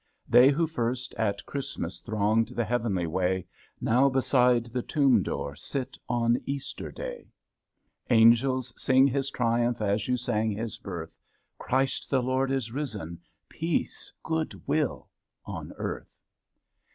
They who first at Christmas Thronged the heavenly way, Now beside the tomb door Sit on Easter Day. Angels, sing His triumph As you sang His birth, "Christ the Lord is risen, Peace, good will on earth."